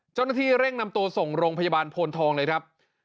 เจ้าหน้าที่เร่งนำตัวส่งโรงพยาบาลโพนทองเลยครับ